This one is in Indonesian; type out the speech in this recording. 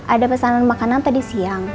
ada pesanan makanan tadi siang